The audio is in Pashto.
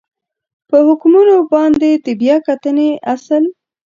په حکمونو باندې د بیا کتنې اصل